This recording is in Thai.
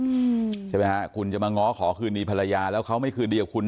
ใช่ไหมฮะคุณจะมาง้อขอคืนดีภรรยาแล้วเขาไม่คืนเดียวคุณ